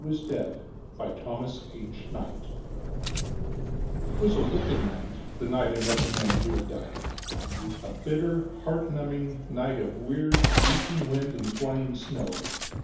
A skeleton that was alive! It was a wicked night, the night I met the man who had died. A bitter, heart numbing night of weird, shrieking wind and flying snow.